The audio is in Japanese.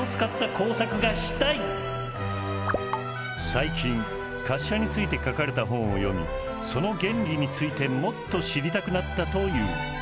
最近滑車について書かれた本を読みその原理についてもっと知りたくなったという。